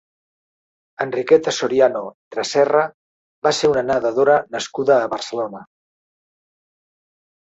Enriqueta Soriano Tresserra va ser una nedadora nascuda a Barcelona.